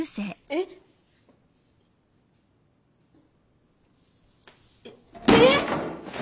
えっえっ！？